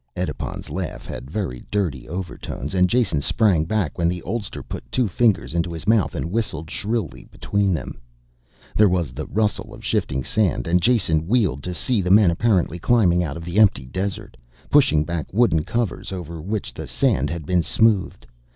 Edipon's laugh had very dirty overtones and Jason sprang back when the oldster put two fingers into his mouth and whistled shrilly between them. There was the rustle of shifting sand and Jason wheeled to see men apparently climbing out of the empty desert, pushing back wooden covers over which the sand had been smoothed.